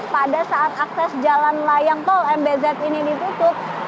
pada saat akses jalan layang tol mbz ini ditutup